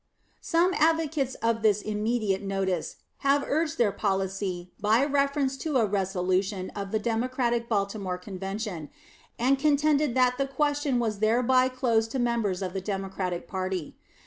Some advocates of this immediate notice have urged their policy by reference to a resolution of the Democratic Baltimore Convention, and contended that the question was thereby closed to members of the Democratic party.